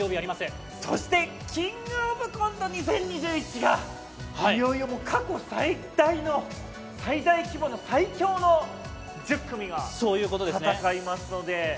そして「キングオブコント２０２１」がいよいよ過去最大の最強の１０組が戦いますので。